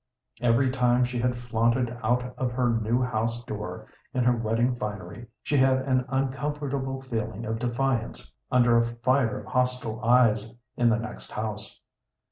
Every time she had flaunted out of her new house door in her wedding finery she had an uncomfortable feeling of defiance under a fire of hostile eyes in the next house.